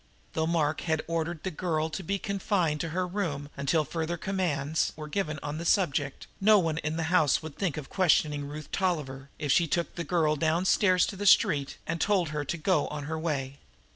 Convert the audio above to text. Though Mark had ordered the girl to be confined to her room until further commands were given on the subject, no one in the house would think of questioning Ruth Tolliver, if she took the girl downstairs to the street and told her to go on her way.